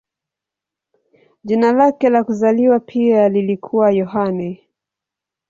Jina lake la kuzaliwa pia lilikuwa Yohane.